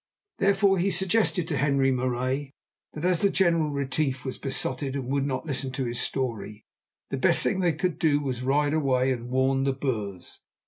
Therefore he suggested to Henri Marais that as the General Retief was besotted and would not listen to his story, the best thing they could do was to ride away and warn the Boers.